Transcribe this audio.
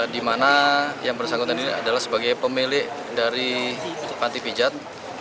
di mana yang bersangkutan ini adalah sebagai pemilik dari panti pijat